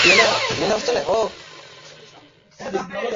তা হোক, কিন্তু আমার নিমন্ত্রণ-চিঠি চাই।